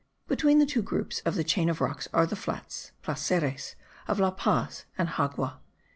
Between the two groups of the chain of rocks are the flats (placeres) of La Paz and Xagua.)